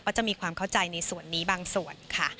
จะมีความเข้าใจในส่วนนี้บางส่วนค่ะ